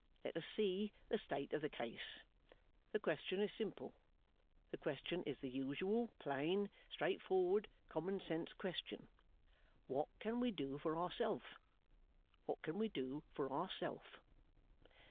Let us see the state of the case. The question is simple. The question is the usual plain, straightforward, common sense question. What can we do for ourself? What can we do for ourself?